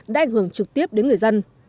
đã ảnh hưởng trực tiếp đến người dân